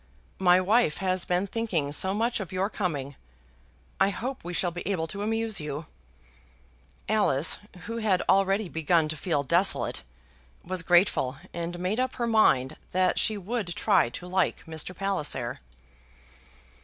"My wife has been thinking so much of your coming. I hope we shall be able to amuse you." Alice, who had already begun to feel desolate, was grateful, and made up her mind that she would try to like Mr. Palliser.